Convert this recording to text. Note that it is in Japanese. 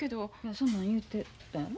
そんなん言うてたんやろ？